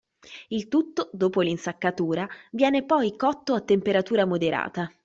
Il tutto, dopo l'insaccatura, viene poi cotto a temperatura moderata.